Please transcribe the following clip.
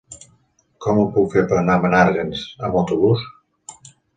Com ho puc fer per anar a Menàrguens amb autobús?